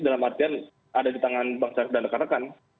dalam artian ada di tangan bang syarif dan rekan rekan